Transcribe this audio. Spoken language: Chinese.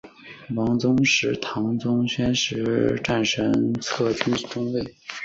王宗实唐宣宗时期神策军中尉。